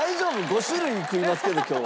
５種類食いますけど今日。